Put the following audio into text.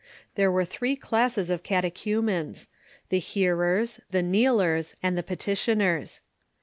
There were three classes of catechumens — the hearers, the kneelers, and the petitioners.